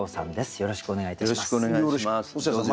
よろしくお願いします。